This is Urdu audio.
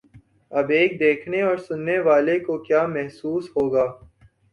اب ایک دیکھنے اور سننے والے کو کیا محسوس ہو گا؟